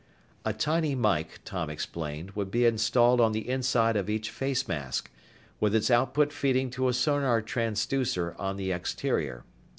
A tiny mike, Tom explained, would be installed on the inside of each face mask, with its output feeding to a sonar transducer on the exterior.